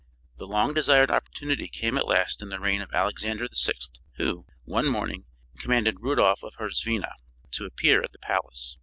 The long desired opportunity came at last in the reign of Alexander VI, who, one morning, commanded Rudolph of Herzvina to appear at the palace.